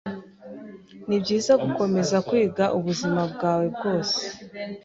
Nibyiza gukomeza kwiga ubuzima bwawe bwose.